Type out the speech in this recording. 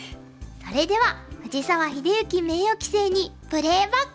それでは藤沢秀行名誉棋聖にプレーバック！